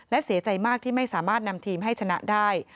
และเสียใจมากที่ไม่สามารถนำทีมให้ชนะได้